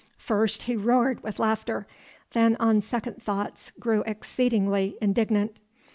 First he roared with laughter, then on second thoughts grew exceedingly indignant.